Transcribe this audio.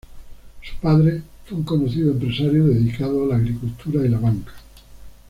Su padre fue un conocido empresario dedicado a la agricultura y la banca.